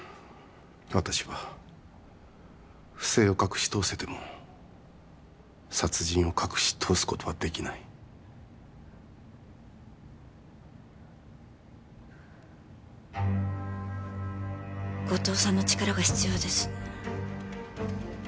私は不正を隠し通せても殺人を隠し通すことはできない後藤さんの力が必要です